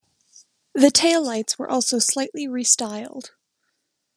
The taillights were also slightly re-styled.